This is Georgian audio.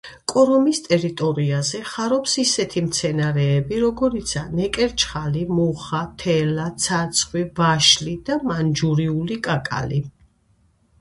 კორომის ტერიტორიაზე ხარობს ისეთი მცენარეები, როგორიცაა ნეკერჩხალი, მუხა, თელა, ცაცხვი, ვაშლი და მანჯურიული კაკალი.